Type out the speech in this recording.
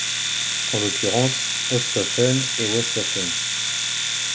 En l'occurrence, Osthoffen et Westhoffen.